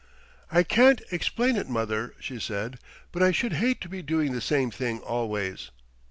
"I can't explain it, mother," she said, "but I should hate to be doing the same thing always."